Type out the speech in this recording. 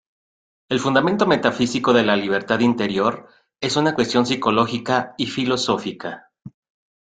El fundamento metafísico de la libertad interior es una cuestión psicológica y filosófica.